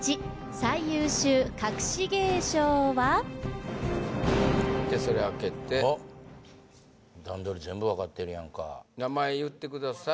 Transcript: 最優秀かくし芸賞はじゃそれ開けて段取り全部分かってるやんか名前言ってください